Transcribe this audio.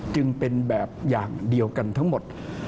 จึงเป็นแบบอย่างเดียวกันทั้งหมด